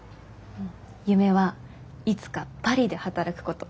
夢はいつかパリで働くこと。